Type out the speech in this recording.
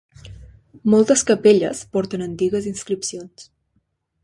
Moltes capelles porten antigues inscripcions.